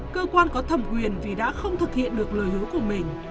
cơ quan có thẩm quyền vì đã không thực hiện được lời hứa của mình